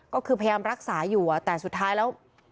ก็คือพยายามรักษาอยู่แต่สุดท้ายแล้ว